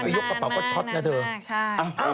มันนานมากโอเคมาดีโอ